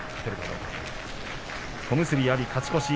小結阿炎勝ち越し。